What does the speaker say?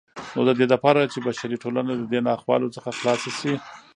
نو ددې دپاره چې بشري ټولنه ددې ناخوالو څخه خلاصه سي